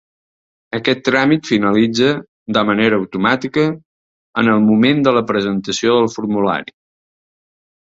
Aquest tràmit finalitza de manera automàtica en el moment de la presentació del formulari.